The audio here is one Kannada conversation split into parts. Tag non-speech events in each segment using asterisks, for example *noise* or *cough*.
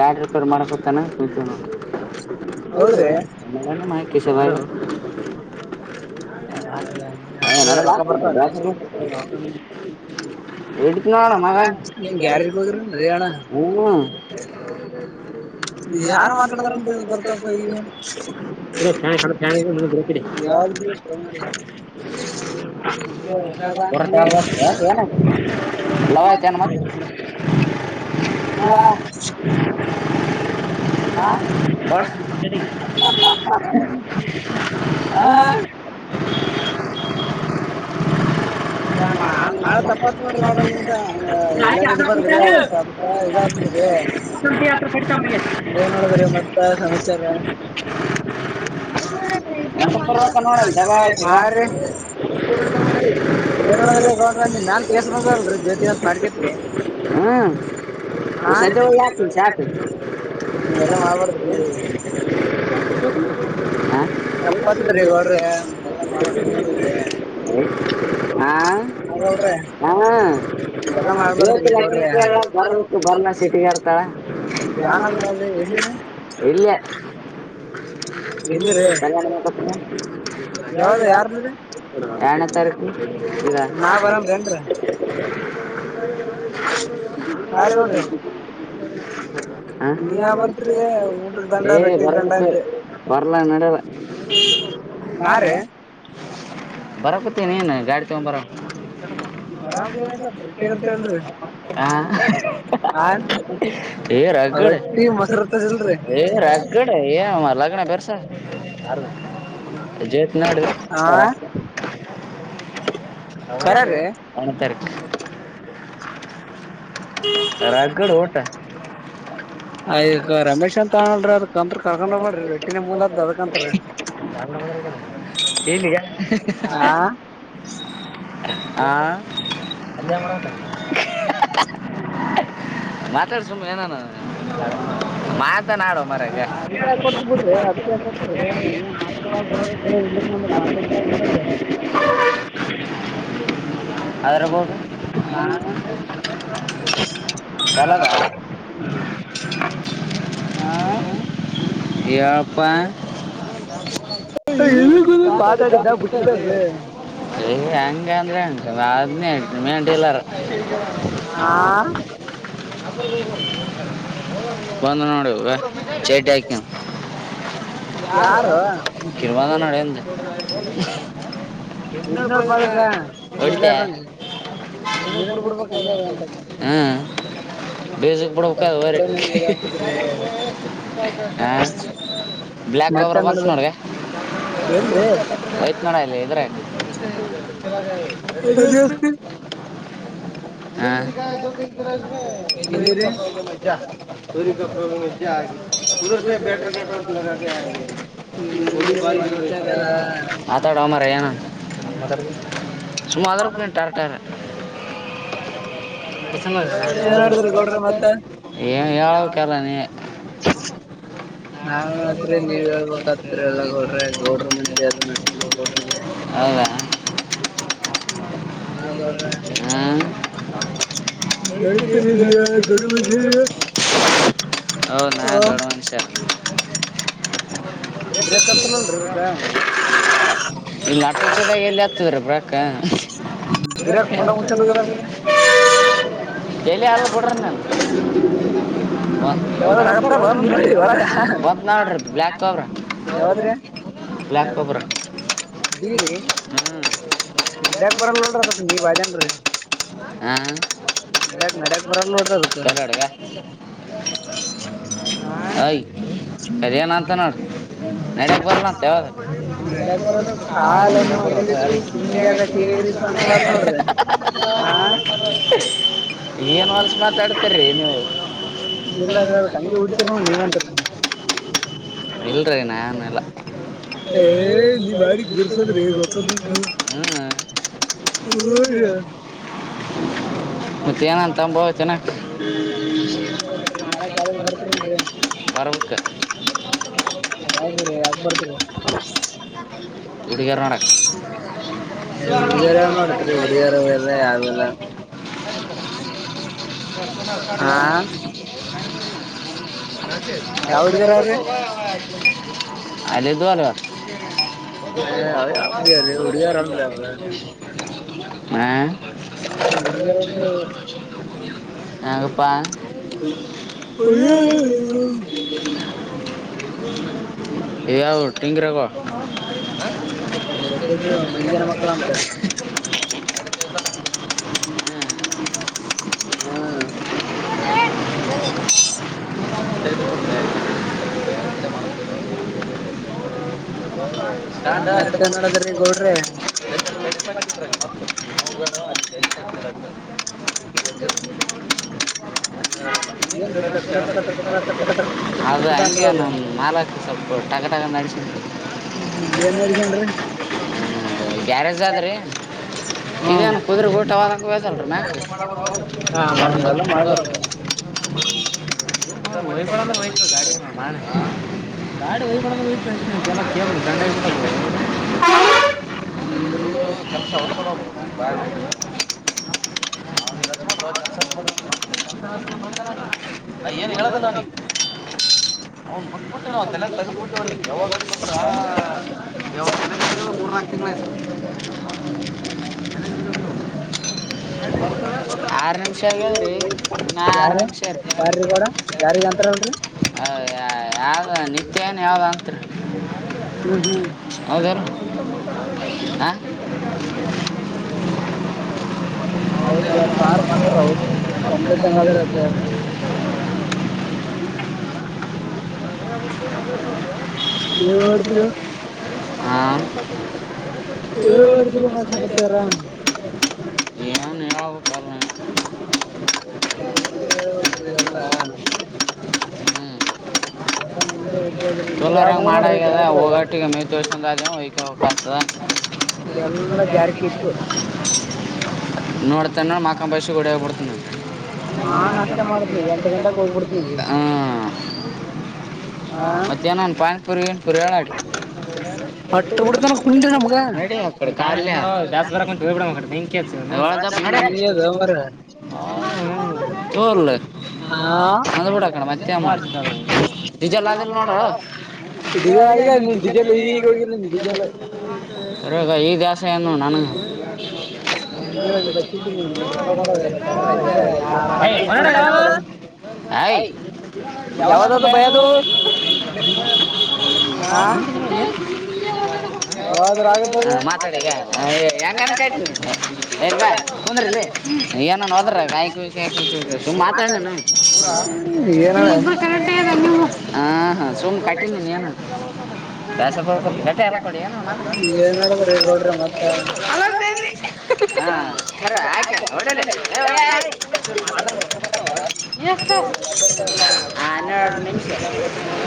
ಗಾಡಿ ರಿಪೇರ್ ಮಾಡಕೂತಾನ ಕುಂತಿವ ನೋಡ ಹೌದ್ರಿ *unintelligible* ಅಂದ್ರ ರೊಕ್ಕ ಬರ್ತಾವ್ರಿ ಏನ್ ಗ್ಯಾರೇಜ್ಗಿ ಹೋದ್ರಿಏನಣ್ಣ *inaudible* ಯಾರ ಮಾತಡತಿದಿರಾ ಅಂತ ಗೊತ್ತಾಗ್ತಿಲ್ಲ *unintelligible* *inaudible* *unintelligible* ಲವಯಾತೇನ ಮತ್ತ *inaudible* ಹೇಳ ಹ ಮಾಡ್ತೀನಿ ತಡಿ ಹ ಹಾ ಹಂಗ ಹಂಗ ಮಾಡದ ತಪ್ಪ ಆತದ ನೋಡರಿ ಗೌಡರ ನಿಮ್ದು ಅಂಗ ಎಲ್ಲೆನ ಇಡಬಾರದು ರೀ ಅದಕ್ಕ ಇದ ಹಾತ್ತದರಿ ಏನ್ ನಡದದ್ರಿ ಮತ್ತ ಸಮಾಚಾರ *inaudible* ಹಾ ರಿ *inaudible* ಏನ್ ನಡದದ್ರಿ ಗೌಡ್ರ ನಿಮ್ಮ ಮ್ಯಾಲ್ ಕೇಸ್ ಬಂದಾದಲ್ರಿ ಜೋತಿ ಹ್ಮ ಹಾ ಹಿಂಗ ಎಲ್ಲ ಮಾಡಬಾರದು ರಿ ಹಾ ತಪ್ಪಾತದ್ರಿ ಗೌಡ್ರೆ ಹಂಗ ಎಲ್ಲ ಮಾಡಕ್ ಹೋಗಬಾಡದ್ರಿ *inaudible* ಹಾ ಹ ಜ್ಯೋತಿ ಲಗ್ನ ಕೇಳಳ ಬರಬೇಕು ಬರಲ್ಲಿಲ ಸಿಟ್ಟಿಗೆರ್ತಳ ಇಲ್ಲೇ ಎಲ್ಲಿರಿ ಕಲ್ಯಾಣ ಮಂಟಪ ಎರಡನೇ ತಾರೀಕು *unintelligible* *inaudible* *unintelligible* ಹ ನೀವ್ಯಾ ಬರ್ತೀರಿ ಎ ಬರಬೇಕು ಬರಲನ ನಡೆಲ್ಲ ನಾ ರೀ ಬರ ಕೊತ್ತೀ ನೀನ್ ಗಾಡಿ ತಗೊಂಬರಂ ಆರಾಮ *unintelligible* ಏ ರಗಡ ಏ ರಗಡ ಏ ಲಗ್ನ ಬಿರ್ಸದ ಯಾರದು ಡೇಟ್ ನೋಡ ಅವರ ಅಕ್ಕ ಅಣಂತರ್ ರಗಡ ಟ ಆಗ ರಮೇಶ್ ಅಂತ ಅಲ್ೀ ಅದ್ಕಂತ್ ಕರ್ಕೊಂಡ್ ಹೋಗಬೇಡ್ರಿ ರೆಟ್ಟಿನ ಮೂಲದ ಅದಕತ್ರಿ ಎಲ್ಲಿಯ ಹಾ ಆಾ ಮಾತಡ್. ಸುಮ್ನ ಎನ ನ ನಾಡೋ ಮರಗೆ ಅಲ ಅವರೆಬಟ್ಟ ನಾನ ಚಲ್ಲದ ಹ್ಮ ಯಳಪ್ಪಾಯ ಇ ಪಾತಾಡ್ದಾ ಬಿಟ್ಟತ ಏ ಹೆಂಗಗೆ ಅಂದ್ರೆಂಟ ಅ ಮಂಟಿಲ್ಲಾರ ಬಂದ ನೋಡು ವ ಚಡ್ಡಿ ಆಕನ್ಯೂಡ್ ಯಾರ ಕರ್ಬದ ನಡೆೆ ಹಿಂದ ಹೊಡ್ತ ಹ್ಮ್ ಬೇಸಕ್ ಪಡಕ್ಕ ಹ ಬ್ಲ್ಯಾಕ್ ಕೊಬ್ರ ಬಂತ ನೋಡಗೆ ಐತ್ನಡಲ್ಲಿ ಇದ್ರೆ ಹ ಪ್ರ ಬ್ಯಾಟರಿ ಸಟ ಲಗಾ ಆ ಬ ಮಾಡದೋ ಮಾರಾವ ಸುಮ್ಮ ಅದ ಟಕ್ ಟ ಏನ್ ಹೇಳಬೇಕುಕ ಇಲ್ಲ ನೀ ನಾವತ್ರಿ ನೀವ್ ಹೇಳ್ಬೇಕತ್ರಿ ಎಲ್ಲ ಗೋಡ್ರೆ ಗೋಡ್ರ ಮಂದ ನ ಹಾಗೌ್ದ್ರೆ ನತ ತಿಳ ಹೌ ನಾ ದೊಡ ಮನುಷ ಹ ಇಲ್ಲಿ ನಟಚದಾಗ ಎಲ್ಲಿ ಹತ್ತದ್ರ ಬಾಕ್ಕ ಬ್ರೇಕ್ಕ್ ಮಂಡ ಮೋಚ್ಕೊಂಡ್ ಹೋಗತಾಳ್ರಿ ಲಿ ಯಾರ ಬಿಡ್ರ ನಾನು ಮದನಾಡ್ರಿ ಬಂತು ನೋಡ್ರಿ ಬ್ಲಾಕ್ ಕೋಬ್ರಾ ಬ್ಲ್ಯಾಕ್ ಕವ್ರ ಬೀರಿ ಗರಾಕ್ ಬರಲ್ರ ನೀ ಬಾಯ ರ ಹಾ ಕೆರಡುಗ ಯ್ ಸರಿಯನ ಅಂತ ನೋಡ ನಡ್ಯಕ್ ಬರಲ ಅಂತ ಯಾವಾಗ ಹಾ ಹಾ ಏನು ಹೊಲ್ಸ ಮಾತಾಡ್ತಿೀರಿ ನೀವು ಇಲ್ಲ ಅ ತಂಗ ಬಿಡತರ ನೀನಂತರ ಹ್ಮ್ ಮತ್ತ ಏನನ ತಂಬೊಗ್ ತಿನ್ನಕ್ ನಾಳ ಕಾಲೇಜ ಬರ್ತೀರನ್ರರಿ ಯಾವ ಬ ಯಾಕ್ ಬರ್ತದೆ ಹುಡ್ಗಿಯರ್ ನೋಡಾಕ ಸ ಕತನಕಾರ ಂಕ್ ಇ ಹ ನಡರೆ ನ ಗಪ್ಪಾ ಯಾವ ಟಿಂಂಗ್ರಗೋ ಹ್ಮ ಮತ್ತೆ ನೋಡದ್ರೆ ಗೌಡ್ರಿ ಅ ಹ ಹ ಅದು ಹಂಗ ನಾನು ಮಾಲಾಕ್ಕೆ ಸ ಟ ಟಕ ಅಡ ಹ್ಮೊಂಡ್ರ ಯಾರದ ಅ ಆದ್ರೀ ಇದೇನ ಕುುದುರೆ ಊಟವಾದಂಗಸಲ್ ಹ ಹ್ಮ ಹೊಯ್ಳಂದ್ರೆ ಹಯ್ತ ಗಾಡಿಏ ಗಾಡಿ ಹೊಗ್ಳ್ರೆಯ ಕೆ ಕ ಜ ಕೆಸ ಉಪರ ಬಾಯ ಹ ಅ ಏನು ಹೇಳೋದಿಲ್ಲ ನೀ ಚಲ ತಗಬಿಟ್ಟೇವನ ಯಾವಾಗ್ರ ಯಾವಾಗ ತಿಗಳು ಮೂರ್ನಾಾಲ್ಕು ತಿಂಗಳು ಆರು ನಿಮಿಷ ಆಗಲ್ನಾ ಆರು ನಿಮಿಷ ಇರ್ತೇ ಹೌ ಹೌದ ಯಾವ್ದ ನಿತ್ಯ ಏನ್ ಯಾವ್ದ ಅತ್ ಹೌದಾರ ಹ ಹೌದ್ರಿ ಪಾರ್ ಮಾಡಾರ ಹೌದ್ರ ಎಷ್ಟ ಒಂದೆ ತಂಗ ಆದ್ರ ಎರಷ ಏನ್ ಮಾಡ್ತೀರ ಹ ನ್ ಇರಾಗ ಕಾರ ಇಲ್ಲ ತೋಲರಂಗ್ ಮಾಡದ ಒಗಟ್ಟಿಗೆ ಮೈ ವರ್ಷಯ ಹ ಎಮ್ಮ ಜಾರಕಿೆ ನೋಡ್ತ ನೋ ಮಾಕ್ಕಾಂಬಾಯಸೆ ಗಡಿಯೋಗ ಪಡ್ತನ ನಾನ್ ಅಷ್ಟ ಮಾಡ್ತೇನೆಿ ಎಂಟು ಗಂಟಕ್ಕೆ ಹೋಗ್ಬಿಡ್ತನಿಗೆ ಮತ್ಯಾನನ್ ಪಾಯನ್ಪುರಿವಿನ ಕುರಳಡ್ ನ ಮ ಕಸ್ ಬರ ಬಿಡ ಮಂಕ ಒಳದಪ್ಪ ನಡ ಹೂರ್ಲ್ಲ ಅಂದ್ ಬಿಡಕಣ ಮತ್ತೆ ನಿಜ ಎಲ್ಲ ನೋಡ್ರ ಅ ಈ ದೇಾಸ ಏನು ನನಗೆ ಹ್ಮ ಬಜಲ್ಲಿ ಬಚ್ಚೀನಿ ಇ ನೂರು ರೂಪಾಯಿ ಕೊಡ ಇ ಯ ಹಯ್ ಯವ ಭಯ *unintelligible* ಯಾವ್ದ್ರ ಆಗತ್ತದ ಅದು *unintelligible* ಏನರೇ ಹಾ ಹಾ ಸುಮ ಕಾಟಿ ನೀ ನೀ ನು ಬ್ಯಸಕ ಬಟ್ಟೆ ಎಲ್ಲ ಕೊಡಿ ಏನು *unintelligible* *unintelligible* ಆನ *unintelligible* *unintelligible* ನಿಮಗೆ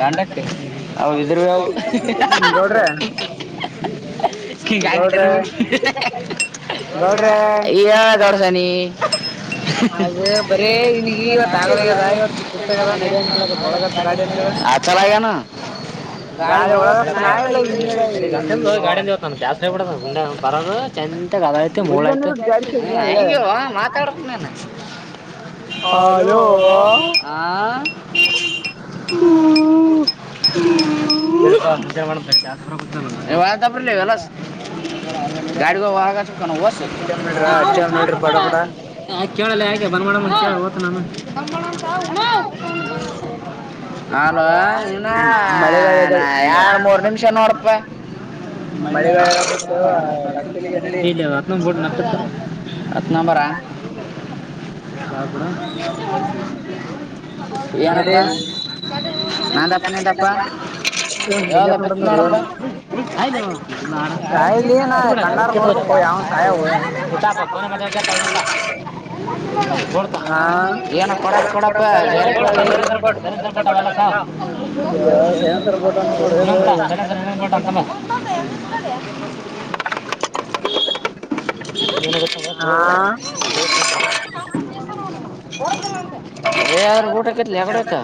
ಕಾಟಕ್ ಅವ ಇದ್ರ ಅವು *unintelligible* *unintelligible* ಆ ಚಲ ಆಗನ ಗಾಡಿ ಒ ಗಾಡಾನ ಜಾಸ್ ಕೊಡ ಪರೋದು ಚೆಂದ ಮೂಳ ಆಯ್ತ ಮಾತಾಡ ನಿನ ಹಲೋ ಆ ಯಾವಾಗ *unintelligible* ತಪ್ರ ಲ ಹೇಳಲ್ಲ ಗಾಡಿಗಳು ಒಳಗ ಹಚಬೇಕ್ಕನ ಹೊಸ್ ಹ ಅಚ್ಚ್ ನೋಡ್ರಿ ಬಡ ಬಡಾ ಆಾ ಕೇಳಲ್ಲ ಯಾ ಬನ್ ಮಾಡ ಕೇಳ ಓತ ನಾನು ಅಲ್ವ ಇನ್ನ ಎಡ ಮೂರ್ ನಿಮಿಷ ನೋಡಪ್ *unintelligible* ನಂಬರ *unintelligible* ಏನಪ್ಪಾ ನಂದಪ್ಪ ನಿದಪ್ಪಾ ಯಾವ್ದ ಬತ್ ನೋಡ *unintelligible* ತಾಪನೆ ಮತ್ರ *unintelligible* ಕೊಡ್ತ ಏನ ಕೊಡಕ್ ಕೊಡಪಟ್ಟರ *unintelligible* *unintelligible* *unintelligible* *unintelligible*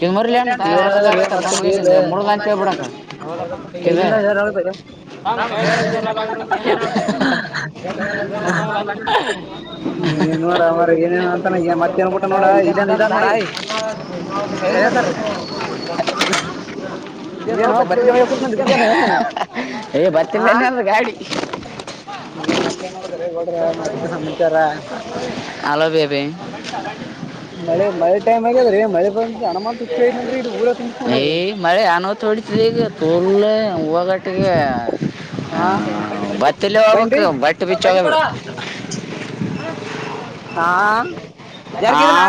ಕನ್ ಮರಿಲನುಂತ ವಸಧತಾರೆ ಬಂದು ಕೇಸ ಮೂರದ ಅಂತ ಬಿಡಕ್ಕ ಕೆವ ಹ *unintelligible* *unintelligible* *unintelligible* ಬರ್ ಏ ಬರ್ತಿಲ್ಲನ ಅ ಗಾಡಿ ಈಗ ಮತ್ತ ನೋಡಿದ್ರ ಗೌಡ್ರ ಮತ್ತಚಾರ ಮ ಚ ಮಳೆ ಮಳೆ ಟೈಮ್ ಆಗ್ಯದ್ರೀ ಮಳೆ ಬಂದ್ರ ಅಣಮಾಂತುಷ್ಟಿ ಐನ ಅಂದ್ರೆ ಇ ಊರ ತುಂಬಕೋಂಡದ *unintelligible* ಹಾ ಬ ಬಿ ಬನ್ ಬಂಡಿ ಕೋಡ ಹಾ ಜಾರಕದನಾ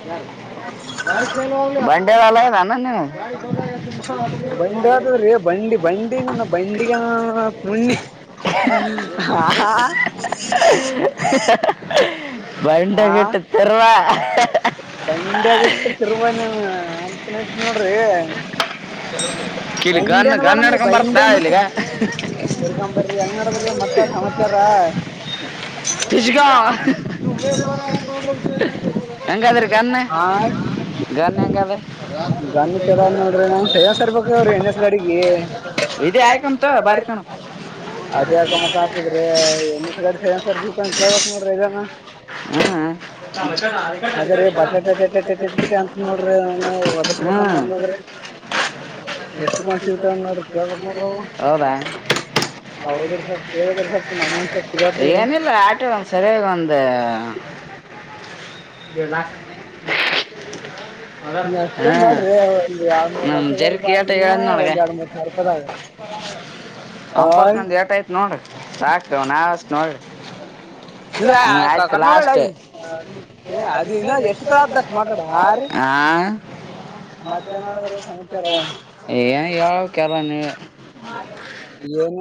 ಬಂಡೆವಲದಾನ ಬಂಡಿ ಆದ್ರೀ ಬಂಡಿ ಬಂಡಿ ನ ಬಂಡಿಗ ಮಂಡಿ ಹ್ಮ್ ಹಾ ಹಾ ಬಂಡೇಗಟ್ಟ ತರ್ವಾ ಬಂಡಿ ಆಗಿಟ್ಟ ತಿರುವಾನ ಅಂತನ ಇದ್ದ ನೋಡ್ರಿ ಕೀಲಿ ಗನ್ ಗನ್ ಇಡ್ಕೊಂಡ್ ಬರ್ತಾ ಇಲ್ಲಿಗ ಇಡ್ಕೊಂಡು ಬನ್ರೀ ಹೆಂಗ್ ನೆಡಿದ್ರಿ ಮತ್ ಸಮಾಚಾರ ದಿಶಾಗ ಹೆಂಗದ್ರಿ ಗನ್ ಗನ್ ಎಂಗದ ಇದೆ ಆಯಕಾಂತ ಬರಿಕಾನವ್ ಅದೇ ಯಕಮ್ಮಕ್ಕ ಅಕಿದ್ರಿ *unintelligible* ಅದ್ರೀ ಬಟಾಟಟಟಟಟ ಅಂತ ನೋಡ್ರಿ ಒದಸ್ಬೇಕನ್ ಬಂದದ್ರಿ *inaudible* ಎಷ್ಟು ಮನುಷಿ ಇರತಾವ್ ನೋಡಿ ಕೇಳಬೇಕು ನೋಡ್ರಿ ಅವು ಹೌದ್ರ ಸರ್ ಕೇಳಿದದ್ರು ಸರ್ ಅಮೌಂಟ್ ಏನಿಲ್ಲ ಆಟೋಂದು ಸರಿ ಒಂದು *inaudible* ಅಷ್ಟೇನ್ ಬಾಡ್ರಿ ಎರಡ್ ಮೂರ್ ಲಕ್ಷ ಬಾಡ್ರಿ ನೀವ ಒಂದ ಎರಡ್ ಮೂರ್ ಸಾವಿರ ರೂಪಾಯಿದಾಗ ಅಂಪರ್ಕಂದ್ ಏಟಯತ್ ನೋಡ್ರಿ ಸಾಕ್ತವ ನಾವಷ್ಟತ್ ನೋಡ್ರಿ ಹ್ಮ ಆಯ್ತು ಲಾಸ್ಟ್ ಹಾ ಏನ್ ಹೇಳ್ಬೇಕು ಎಲ್ಲ ನೀವೇ ಏನು